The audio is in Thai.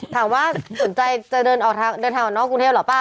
ถามว่าสนใจจะเดินทางออกนอกกรุงเทพเหรอเปล่า